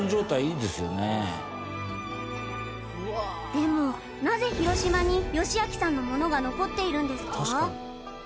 でもなぜ広島に義昭さんのものが残っているんですか？